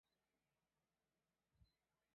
出生于中华民国北京市生。